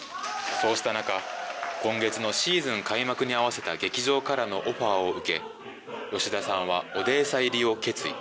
そうした中、今月のシーズン開幕に合わせた劇場からのオファーを受け、吉田さんはオデーサ入りを決意。